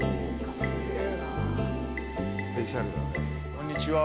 こんにちは。